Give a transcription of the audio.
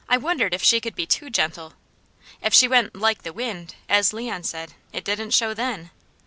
I wondered if she could be too gentle. If she went "like the wind," as Leon said, it didn't show then.